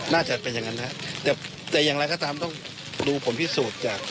น่าจะเป็นอย่างนั้นนะครับแต่อย่างไรก็ตามต้องดูผลพิสูจน์จาก